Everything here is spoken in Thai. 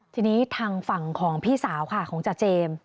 ทีนี้ทางฝั่งของพี่สาวค่ะของจาเจมส์